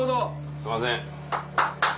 すいません。